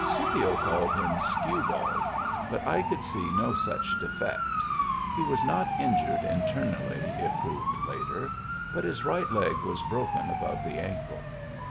Scipio called him "skew bald," but I could see no such defect He was not injured internally, it proved later, but his right leg was broken above the ankle.